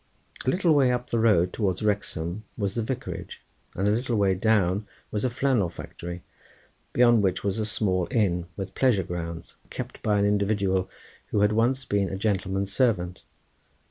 A little way up the road, towards Wrexham, was the vicarage, and a little way down was a flannel factory, beyond which was a small inn, with pleasure grounds, kept by an individual who had once been a gentleman's servant.